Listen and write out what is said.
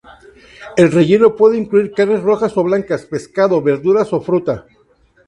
El relleno puede incluir carnes rojas o blancas, pescado, verduras o fruta.